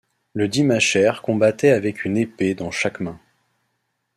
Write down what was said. Le dimachère combattait avec une épée dans chaque main.